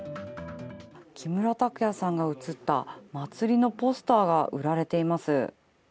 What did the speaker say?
木村拓哉さんが写った祭りのポスターが売られています。